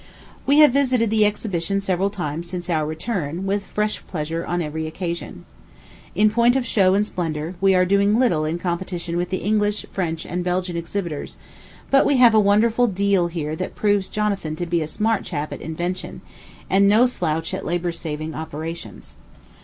We have visited the exhibition several times since our return, with fresh pleasure on every occasion. In point of show and splendor, we are doing little in competition with the English, French and Belgian exhibitors; but we have a wonderful deal here that proves Jonathan to be a smart chap at invention, and no slouch at labor saving operations.